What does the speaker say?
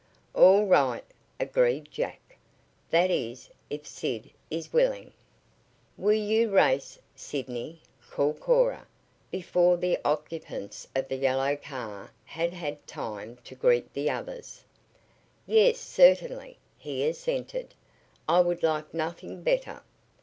"All right," agreed Jack. "That is, if Sid is, willing." "Will you race, Sidney?" called Cora, before the occupants of the yellow car had had time to greet the others. "Yes, certainly," he assented. "I would like nothing better."